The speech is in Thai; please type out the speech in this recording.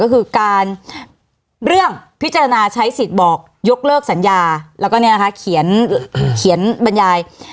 ก็คือการเรื่องพิจารณาใช้สิทธิ์บอกยกเลิกสัญญาแล้วก็เนี่ยนะคะเขียนบรรยาย